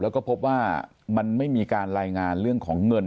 แล้วก็พบว่ามันไม่มีการรายงานเรื่องของเงิน